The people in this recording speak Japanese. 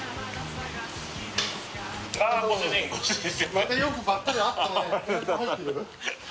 またよくばったり会ったね。